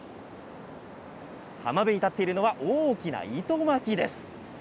浜辺に立っているのは大きな糸巻きです。